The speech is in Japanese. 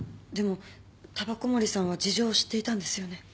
でも煙草森さんは事情を知っていたんですよね？